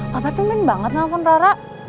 papa tuh main banget nelfon rara